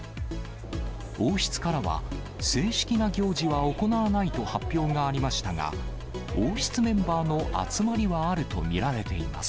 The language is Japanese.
王室からは、正式な行事は行わないと発表がありましたが、王室メンバーの集まりはあると見られています。